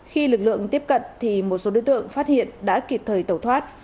khi lực lượng tiếp cận thì một số đối tượng phát hiện đã kịp thời tẩu thoát